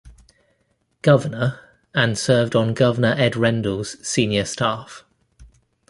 Governor and served on Governor Ed Rendell's Senior Staff.